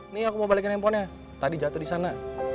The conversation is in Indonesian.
nih aku mau balikin handphonenya tadi jatuh disana